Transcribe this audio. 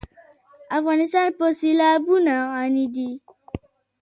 افغانستان په سیلابونه غني دی.